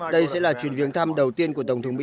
đây sẽ là chuyến viếng thăm đầu tiên của tổng thống mỹ